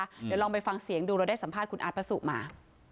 เดี๋ยวลองไปฟังเสียงดูเราได้สัมภาษณ์คุณอาร์ตพระสุมา